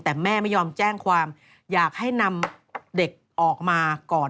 แต่แม่ไม่ยอมแจ้งความอยากให้นำเด็กออกมาก่อน